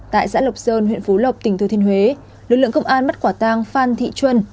tại xã lộc sơn huyện phú lộc tỉnh thừa thiên huế lực lượng công an bắt quả tang phan thị trân